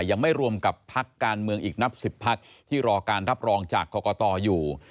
ยังไม่รวมกับพักการเมืองอีกนับ๑๐พักที่รอการรับรองจากกรกตอยู่